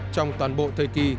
trong toàn bộ thời kỳ